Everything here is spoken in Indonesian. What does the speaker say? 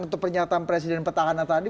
atau pernyataan presiden pertanganan tadi